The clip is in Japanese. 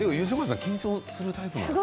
緊張するタイプなんですか？